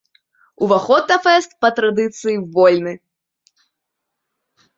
Уваход на фэст, па традыцыі, вольны.